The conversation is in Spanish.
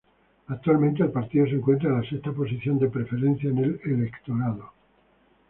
Actualmente el partido se encuentra en la sexta posición de preferencia en el electorado.